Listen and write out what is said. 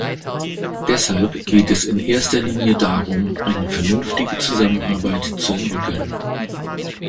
Deshalb geht es in erster Linie darum, eine vernünftige Zusammenarbeit zu entwickeln.